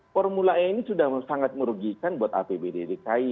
formulanya ini sudah sangat merugikan buat apbd dikaih